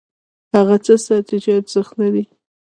هغه څه ساتي چې ارزښت لري.